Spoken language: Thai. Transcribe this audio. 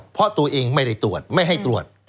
เพราะตัวเองไม่ได้ตรวจไม่ให้ตรวจ